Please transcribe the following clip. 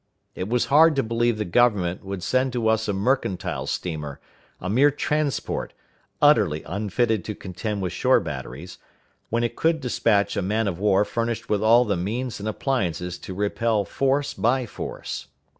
It was hard to believe the Government would send to us a mercantile steamer a mere transport, utterly unfitted to contend with shore batteries when it could dispatch a man of war furnished with all the means and appliances to repel force by force.